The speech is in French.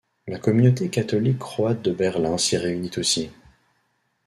La communauté catholique croate de Berlin s'y réunit aussi.